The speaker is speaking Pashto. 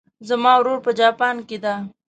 زما ورور په جاپان کې ده